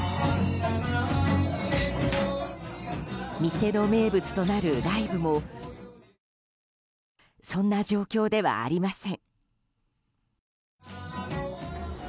店の名物となるライブもそんな状況ではありません。